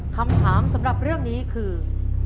คำถามสำหรับเรื่องนี้คือ